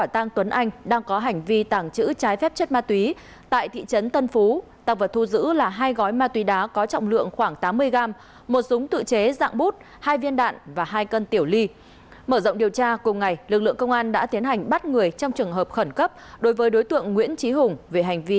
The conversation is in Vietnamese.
tăng chữ trái phép chất ma túy và vũ khí nóng hai đối tượng là nguyễn tuấn anh ba mươi bảy tuổi và nguyễn trí hùng ba mươi ba tuổi và nguyễn trí hùng ba mươi ba tuổi cùng chú tại tỉnh đồng nai